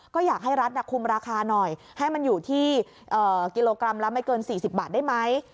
ก็อยากให้รัฐคุมราคาหน่อยให้มันอยู่ที่กิโลกรัมละไม่เกิน๔๐บาทได้ไหม